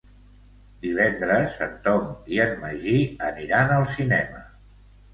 Divendres en Tom i en Magí aniran al cinema.